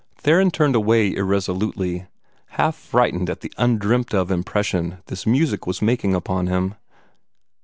Theron turned away irresolutely, half frightened at the undreamt of impression this music was making upon him.